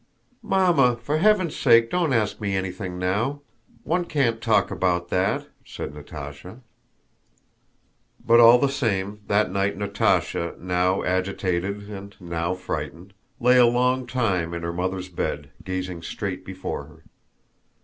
"Mamma! For heaven's sake don't ask me anything now! One can't talk about that," said Natásha. But all the same that night Natásha, now agitated and now frightened, lay a long time in her mother's bed gazing straight before her.